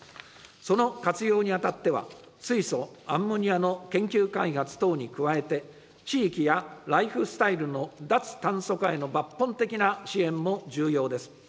その活用にあたっては、水素・アンモニアの研究開発等に加えて、地域やライフスタイルの脱炭素化への抜本的な支援も重要です。